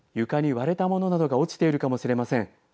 床に、割れた物などが落ちているかもしれません。